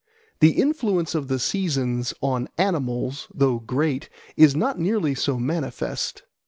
The influence of the seasons on animals, though great, is not nearly so manifest.